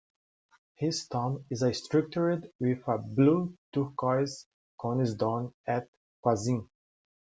His tomb is a structure with a blue turquoise conical dome, at Qazvin.